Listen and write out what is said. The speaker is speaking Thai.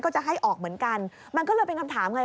จะให้ออกเหมือนกันมันก็เลยเป็นคำถามไง